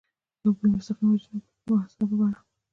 یو یې مستقیماً وژني او بل یې په مهذبه بڼه.